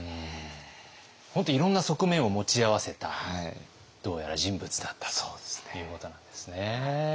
本当いろんな側面を持ち合わせたどうやら人物だったということなんですね。